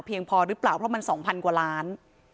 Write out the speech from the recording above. พอหรือเปล่าเพราะมัน๒๐๐กว่าล้าน